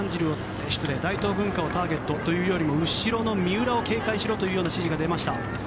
大東文化をターゲットというよりも後ろの三浦を警戒しろというような指示が出ました。